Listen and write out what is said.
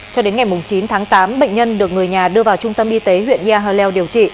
cho đến ngày chín tháng tám bệnh nhân được người nhà đưa vào trung tâm y tế huyện yahalel